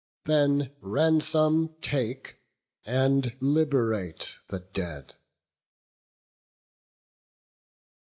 Then ransom take, and liberate the dead."